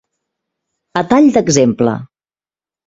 A tall d'exemple.